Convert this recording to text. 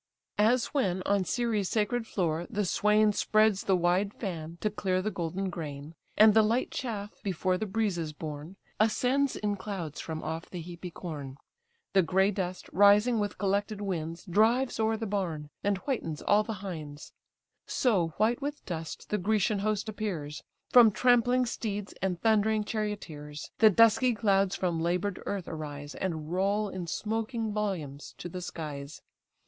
As when, on Ceres' sacred floor, the swain Spreads the wide fan to clear the golden grain, And the light chaff, before the breezes borne, Ascends in clouds from off the heapy corn; The grey dust, rising with collected winds, Drives o'er the barn, and whitens all the hinds: So white with dust the Grecian host appears, From trampling steeds, and thundering charioteers. The dusky clouds from labour'd earth arise, And roll in smoking volumes to the skies.